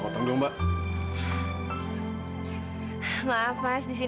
ka fadil liseng banget sih